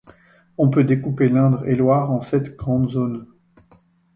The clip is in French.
On peut découper l'Indre-et-Loire en sept grandes zones.